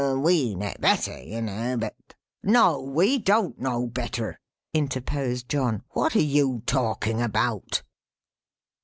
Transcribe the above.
We know better, you know, but " "No, we don't know better," interposed John. "What are you talking about?"